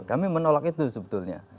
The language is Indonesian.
kami menolak itu sebetulnya